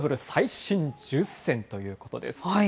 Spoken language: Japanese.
最新１０選ということです。